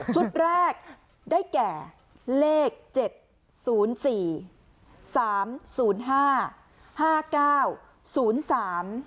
ชุดแรกได้แก่เลขเจ็ดศูนย์สี่สามศูนย์ห้าห้าเก้าศูนย์สาม